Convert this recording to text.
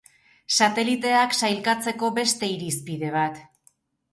Sateliteak sailkatzeko beste irizpide bat.